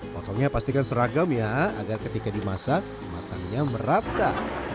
potongnya pastikan seragam ya agar ketika dimasak matangnya merata